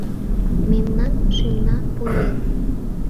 Мемнан шӱмна поен